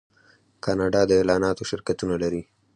کاناډا د اعلاناتو شرکتونه لري.